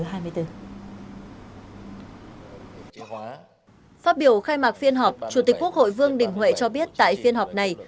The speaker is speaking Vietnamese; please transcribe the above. phát biểu khai mạc phiên họp chủ tịch quốc hội vương đình huệ cho biết tại phiên họp này